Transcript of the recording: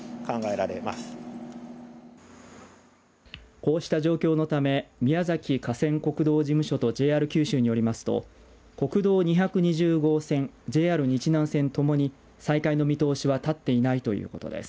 こうした状況のため宮崎河川国道事務所とＪＲ九州によりますと国道２２０号線ＪＲ日南線ともに再開の見通しは立っていないということです。